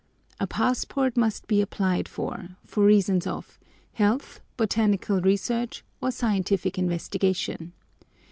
A passport must be applied for, for reasons of "health, botanical research, or scientific investigation."